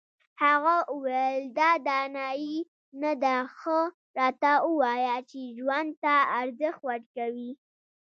هغه وویل دا دانایي نه ده ښه راته ووایه چې ژوند ته ارزښت ورکوې.